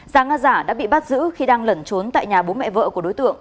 giàng a giả đã bị bắt giữ khi đang lẩn trốn tại nhà bố mẹ vợ của đối tượng